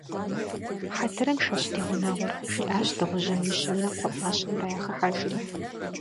- Хьэтырыншэщ ди гъунэгъур, - жиӏащ дыгъужьым мыщэмрэ кхъуэпӏащэмрэ яхыхьэжри.